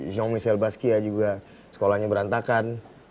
jean michel basquiat juga sekolahnya berantakan